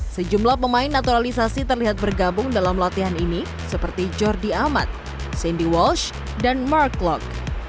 sejumlah pemain naturalisasi terlihat bergabung dalam latihan ini seperti jordi amat cindy walsh dan mark klock